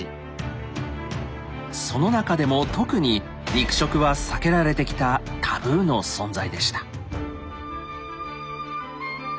その中でも特に肉食は避けられてきたタブーの存在でした。